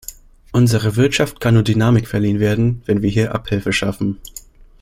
Unserer Wirtschaft kann nur Dynamik verliehen werden, wenn wir hier Abhilfe schaffen.